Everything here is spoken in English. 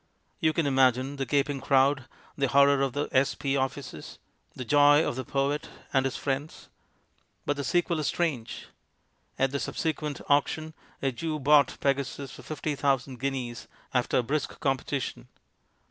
You can imagine the gaping crowd, the horror of the s.p. offices, the joy of the poet and his friends. But the sequel is strange. At the subsequent auction a Jew bought Pegasus for fifty thousand guineas after brisk com 215 petition.